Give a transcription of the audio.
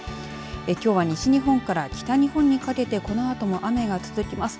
きょうは西日本から北日本にかけてこのあとも雨が続きます。